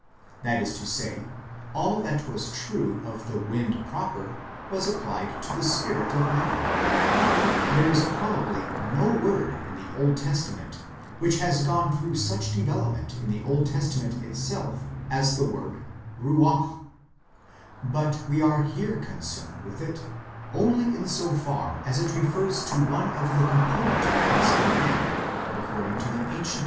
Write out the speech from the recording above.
That is to say, all that was true of the wind proper was applied to the spirit of man. There is probably no word in the Old Testament which has gone through such develop ment in the Old Testament itself as this word ruach ; but we are here concerned with it only in so far as it refers to one of the component parts in man according to the ancient 1 It was definitely taught in later times, see Wisdom, viii. 19 f.